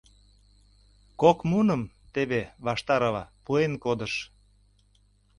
Кок муным теве Ваштарова пуэн кодыш.